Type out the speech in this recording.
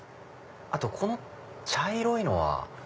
あとこの茶色いのは？